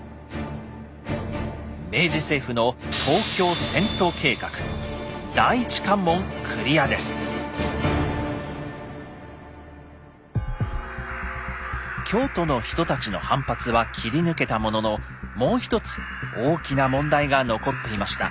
明治政府の京都の人たちの反発は切り抜けたもののもう一つ大きな問題が残っていました。